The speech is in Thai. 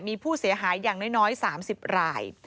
มีผู้เสียหายอย่างน้อย๓๐ราย